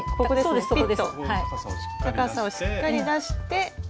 高さをしっかり出して。